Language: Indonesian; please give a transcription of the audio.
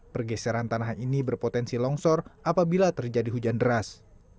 pergeseran tanah ini berpotensi longsor apabila terjadi hujan deras